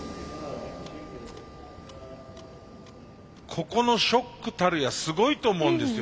ここのショックたるやすごいと思うんですよ。